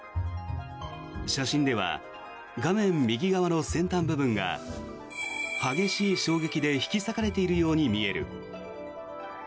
写真では、画面右側の先端部分が激しい衝撃で引き裂かれているように見える。